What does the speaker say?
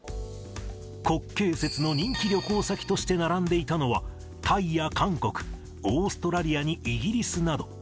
国慶節の人気旅行先として並んでいたのは、タイや韓国、オーストラリアにイギリスなど。